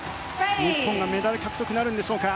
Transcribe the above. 日本がメダル獲得なるんでしょうか。